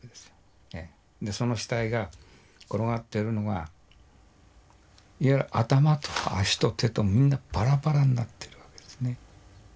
その死体が転がってるのが頭と脚と手とみんなバラバラになってるわけですね。